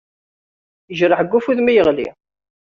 Yejreḥ deg ufud mi yeɣli.